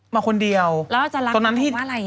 มาคนเดียวแล้วเราจะรักเขาว่าอะไรอะ